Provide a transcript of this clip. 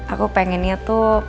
aku pengennya tuh